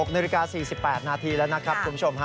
๖นาฬิกา๔๘นาทีแล้วนะครับคุณผู้ชม